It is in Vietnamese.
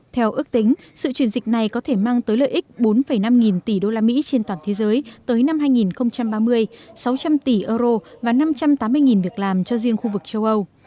theo ước tính sự chuyển dịch này có thể mang tới lợi ích bốn năm nghìn tỷ usd trên toàn thế giới tới năm hai nghìn ba mươi sáu trăm linh tỷ euro và năm trăm tám mươi việc làm cho riêng khu vực châu âu